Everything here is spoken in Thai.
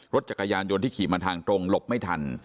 รถจักรยานยนต์ที่ขี่มาทางตรงหลบไม่ทัน